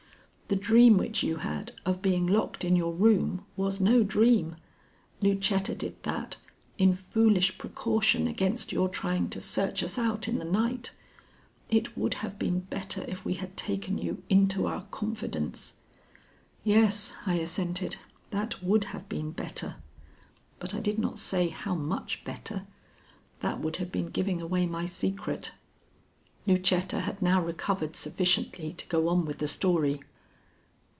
The dream which you had of being locked in your room was no dream. Lucetta did that in foolish precaution against your trying to search us out in the night. It would have been better if we had taken you into our confidence." "Yes," I assented, "that would have been better." But I did not say how much better. That would have been giving away my secret. Lucetta had now recovered sufficiently to go on with the story.